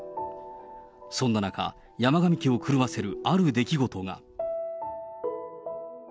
そんな中、山上家を狂わせるある出来事が。